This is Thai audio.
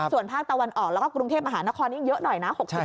ส่วนภาคตะวันออกแล้วก็กรุงเทพมหานครนี้เยอะหน่อยนะ